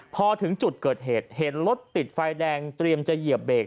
พอถึงจุดเกิดเหตุเห็นรถติดไฟแดงเตรียมจะเหยียบเบรก